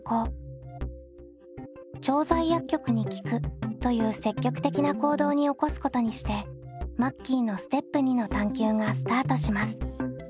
調剤薬局に聞くという積極的な行動に起こすことにしてマッキーのステップ②の探究がスタートします。